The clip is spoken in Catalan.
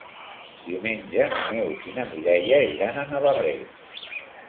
Diumenge na Neus i na Mireia iran a Navarrés.